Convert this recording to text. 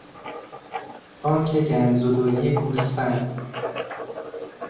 تانک گندزدایی گوسفند